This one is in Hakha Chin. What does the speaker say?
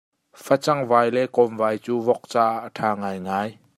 Facang vai le kawm vai cu vok caah a ṭha ngaingai.